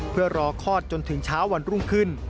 เพื่อรอคลอดจนถึงเช้าวันรุ่งขึ้น